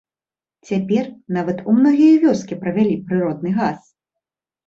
Цяпер нават у многія вёскі правялі прыродны газ.